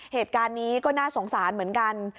เหตุการณ์นี้ก็น่าสงสารเหมือนกัน